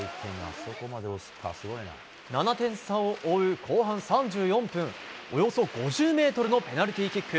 ７点差を追う後半３４分およそ５０ｍのペナルティーキック。